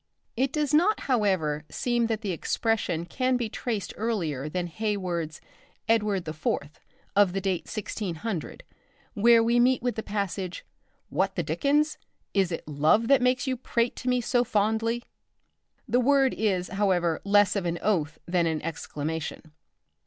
It does not however seem that the expression can be traced earlier than Heywood's 'Edward the Fourth,' of the date 1600, where we meet with the passage: "What the dickens! Is it love that makes you prate to me so fondly?" The word is, however, less of an oath than an exclamation.